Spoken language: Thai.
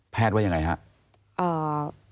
แพทย์ว่ายังไงครับ